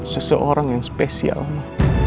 seseorang yang spesial ma